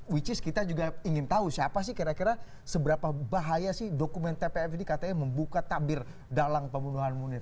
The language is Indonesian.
which is kita juga ingin tahu siapa sih kira kira seberapa bahaya sih dokumen tpf ini katanya membuka tabir dalang pembunuhan munir